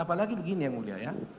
apalagi begini yang mulia ya